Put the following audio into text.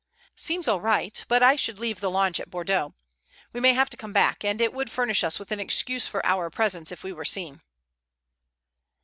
"Seems all right. But I should leave the launch at Bordeaux. We may have to come back, and it would furnish us with an excuse for our presence if we were seen."